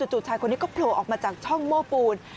จู่ชายคนนี้ก็โผล่ออกมาจากช่องโม้ปูน